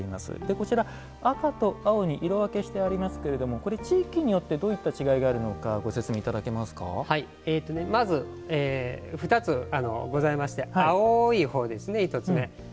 こちら、赤と青に色分けしてありますけれどもこれ、地域によってどういった違いがあるのかまず、２つございまして青い方ですね、１つ目。